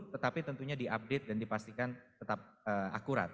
tetapi tentunya diupdate dan dipastikan tetap akurat